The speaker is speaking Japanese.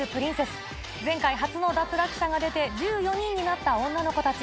前回初の脱落者が出て１４人になった女の子たち。